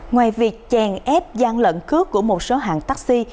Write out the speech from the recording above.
ngoài việc chèn ép gian lận cướp của một số hãng taxi